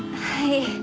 はい。